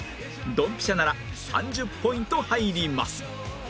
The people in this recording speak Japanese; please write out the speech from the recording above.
ドンピシャなら３０ポイント入ります